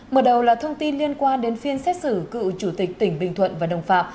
mở đầu là thông tin liên quan đến phiên xét xử cựu chủ tịch tỉnh bình thuận và đồng phạm